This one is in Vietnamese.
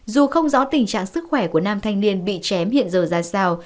dù không rõ tình trạng sức khỏe của nam thanh niên bị chém hiện giờ ra sao